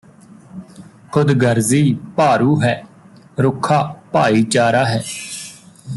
ਖ਼ੁਦਗਰਜ਼ੀ ਭਾਰੂ ਹੈ ਰੁੱਖਾ ਭਾਈਚਾਰਾ ਹੈ